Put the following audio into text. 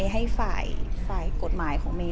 ให้ฝ่ายกฎหมายของเมย